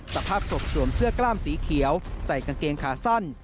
สภาพศพสวมเสื้อกล้ามสีเขียวใส่กางเกงขาสั้น